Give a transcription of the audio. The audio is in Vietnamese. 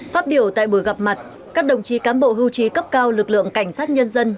phát biểu tại buổi gặp mặt các đồng chí cám bộ hưu trí cấp cao lực lượng cảnh sát nhân dân